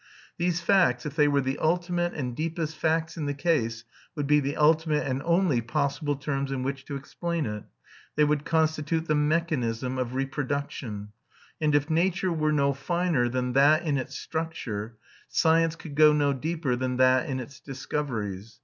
These facts, if they were the ultimate and deepest facts in the case, would be the ultimate and only possible terms in which to explain it. They would constitute the mechanism of reproduction; and if nature were no finer than that in its structure, science could not go deeper than that in its discoveries.